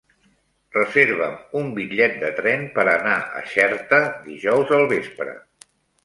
Reserva'm un bitllet de tren per anar a Xerta dijous al vespre.